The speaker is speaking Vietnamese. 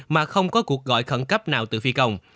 mà không có cuộc gọi khẩn cấp nào từ phi công